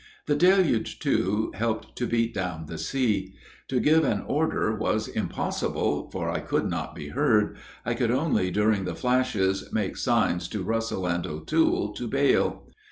The deluge, too, helped to beat down the sea. To give an order was impossible, for I could not be heard; I could only, during the flashes, make signs to Russell and O'Toole to bail.